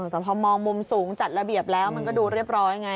แต่พอมองมุมสูงจัดระเบียบแล้วมันก็ดูเรียบร้อยไง